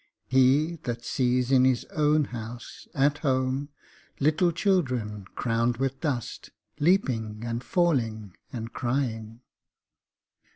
He that sees in his own house, at home, little children crowned with dust, leaping and falling and crying.